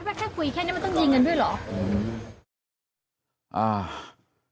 ว่าแค่คุยแค่นี้มันต้องยิงกันด้วยเหรออืมอ่า